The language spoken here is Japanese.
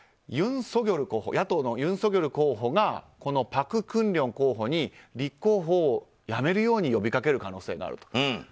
野党のユン・ソギョル候補がこの朴槿令候補に立候補をやめるように呼びかける可能性があると。